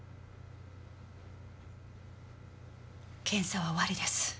検査は終わりです。